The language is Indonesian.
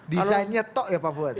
desainnya tok ya pak fuad